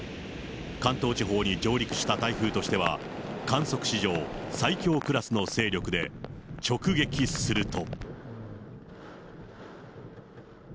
関東地方に上陸した台風としては、観測史上最強クラスの勢力で、直撃すると。